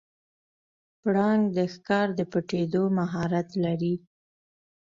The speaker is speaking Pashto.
پړانګ د ښکار د پټیدو مهارت لري.